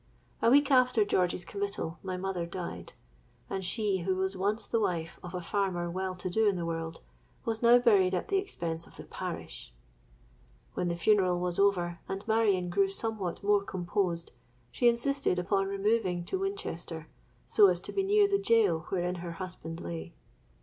A week after George's committal, my mother died; and she, who was once the wife of a farmer well to do in the world, was now buried at the expense of the parish! When the funeral was over, and Marion grew somewhat more composed, she insisted upon removing to Winchester, so as to be near the gaol wherein her husband lay.